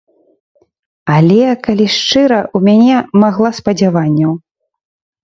Але, калі шчыра, у мяне магла спадзяванняў.